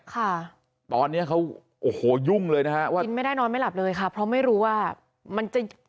ค่ะตอนเนี้ยเขาโอ้โหยุ่งเลยนะฮะว่ากินไม่ได้นอนไม่หลับเลยค่ะเพราะไม่รู้ว่ามันจะ